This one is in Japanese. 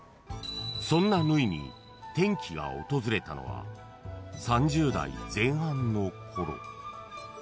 ［そんな縫に転機が訪れたのは３０代前半のころ］